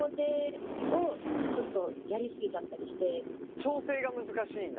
調整が難しいんだ。